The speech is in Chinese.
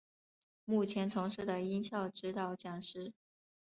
目前从事的音效指导讲师。